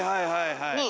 ねえ？